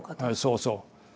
そうそう。